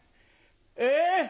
え！